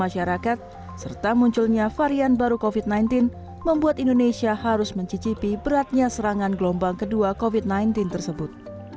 masyarakat serta munculnya varian baru covid sembilan belas membuat indonesia harus mencicipi beratnya serangan gelombang kedua covid sembilan belas tersebut